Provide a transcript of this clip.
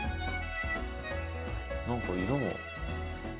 何か色も。